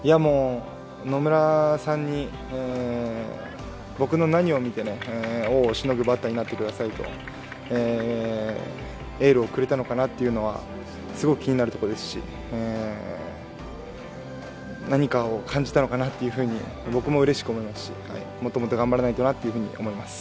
野村さんに、僕の何を見て王をしのぐバッターになってくださいとエールをくれたのかなというのはすごい気になるところですし何かを感じたのかなと僕もうれしく思いますし、もっともっと頑張らないとなと思います。